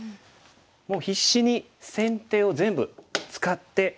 もう必死に先手を全部使って。